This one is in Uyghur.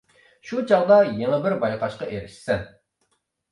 شۇ چاغدا يېڭى بىر بايقاشقا ئېرىشىسەن.